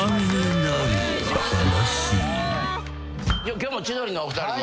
今日も千鳥のお二人に。